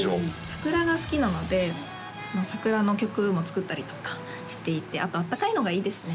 桜が好きなので桜の曲も作ったりとかしていてあとあったかいのがいいですね